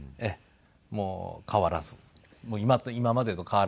もう変わらず今までと変わらず。